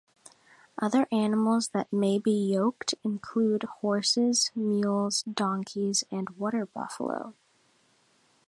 Other animals that may be yoked include horses, mules, donkeys, and water buffalo.